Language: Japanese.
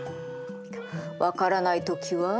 分からない時は？